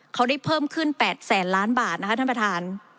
เขาได้เพิ่มขึ้น๘แสนล้านบาทนะคะท่านประธาน